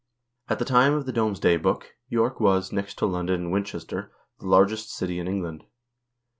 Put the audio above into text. At the time of the "Domesday Book," York was, next to London and Winchester, the largest city in England.